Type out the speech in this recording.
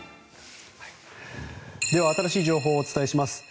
では新しい情報をお伝えします。